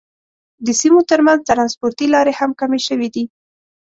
د سیمو تر منځ ترانسپورتي لارې هم کمې شوې دي.